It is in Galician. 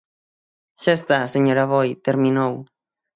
Xa está, señor Aboi, terminou.